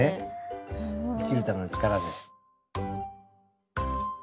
生きるための力です。